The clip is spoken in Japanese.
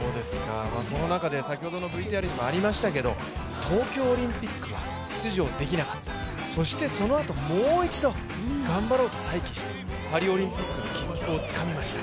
その中で先ほどのＶＴＲにもありましたけど、東京オリンピックは出場できなかったそしてそのあともう一度、頑張ろうと再起してパリオリンピックの切符をつかみました。